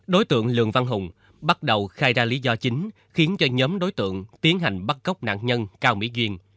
đối tượng lường văn hùng bắt đầu khai ra lý do chính khiến cho nhóm đối tượng tiến hành bắt cóc nạn nhân cao mỹ duyên